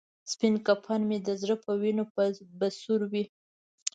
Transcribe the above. سپین کفن مې د زړه په وینو به سور وي.